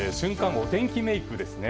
おてんきメイクですね。